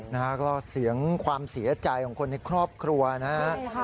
น่ากลอดเสียงความเสียใจของคนในครอบครัวนะครับ